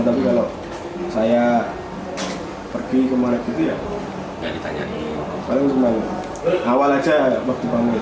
tapi kalau saya pergi ke malam gitu ya paling cuma awal aja waktu panggil